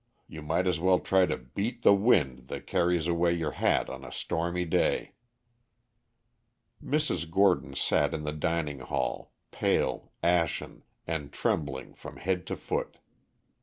You might as well try to beat the wind that carries away your hat on a stormy day." Mrs. Gordon sat in the dining hall, pale, ashen, and trembling from head to foot.